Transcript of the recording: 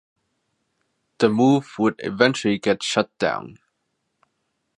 The move would eventually get shut down.